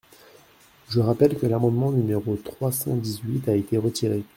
Je rappelle que l’amendement numéro trois cent dix-huit a été retiré.